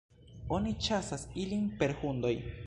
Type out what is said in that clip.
Oni ĉasas ilin per hundoj.